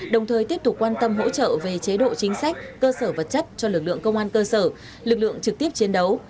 đồng thời tiếp tục quan tâm hỗ trợ về chế độ chính sách cơ sở vật chất cho lực lượng công an cơ sở lực lượng trực tiếp chiến đấu